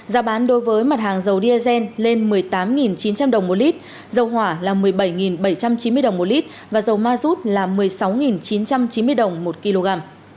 giá bán đối với mặt hàng dầu diesel lên một mươi tám chín trăm linh đồng một lít dầu hỏa là một mươi bảy bảy trăm chín mươi đồng một lít và dầu ma rút là một mươi sáu chín trăm chín mươi đồng một kg